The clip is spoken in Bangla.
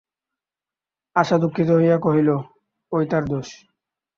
আশা দুঃখিত হইয়া কহিল, ঐ তাঁর দোষ।